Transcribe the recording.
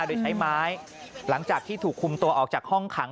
โดยใช้ไม้หลังจากที่ถูกคุมตัวออกจากห้องขัง